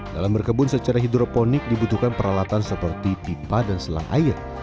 dalam berkebun secara hidroponik dibutuhkan peralatan seperti pipa dan selang air